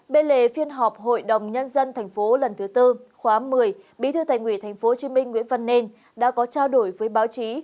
bên lề phiên họp hội đồng nhân dân tp lần thứ tư khóa một mươi bí thư thành ủy tp hcm nguyễn văn nên đã có trao đổi với báo chí